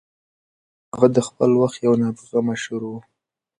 هغه د خپل وخت یو نابغه مشر و.